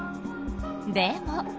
でも。